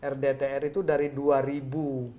rdtr itu dari rp dua